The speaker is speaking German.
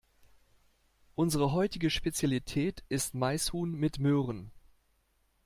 Unsere heutige Spezialität ist Maishuhn mit Möhren.